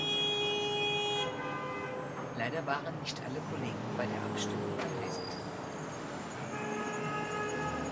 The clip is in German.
Leider waren nicht alle Kollegen bei der Abstimmung anwesend.